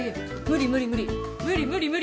無理無理無理。